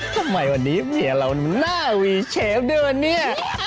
ทำไมวันนี้เผลอเราหน้าวีเชฟด้วยว่ะนี่